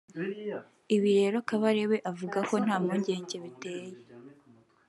Ibi rero Kabarebe avuga ko nta mpungenge biteye